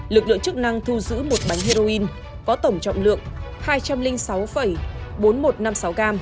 lực lượng chức năng thu giữ một bánh heroin có tổng trọng lượng hai trăm linh sáu bốn nghìn một trăm năm mươi sáu g